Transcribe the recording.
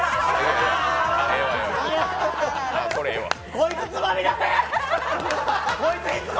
こいつつまみ出せ！